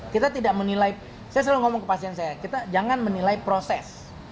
kita tidak menilai saya selalu ngomong ke pasien saya kita jangan menilai proses